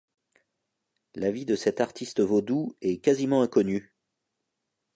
La vie de cet artiste vaudou est quasiment inconnue.